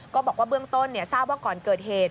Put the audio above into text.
ก็บอกว่าเบื้องต้นทราบว่าก่อนเกิดเหตุ